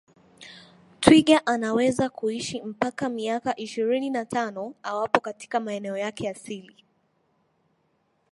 Twiga anaweza kuishi mpaka miaka ishirini na tano awapo katika maeneo yake asili